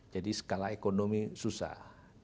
jadi skala ekonomi susah